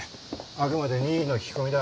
あくまで任意の聞き込みだ。